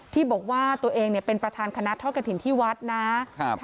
ที่บอกว่าตัวเองเนี่ยเป็นประธานคณะทอดกระถิ่นที่วัดนะครับ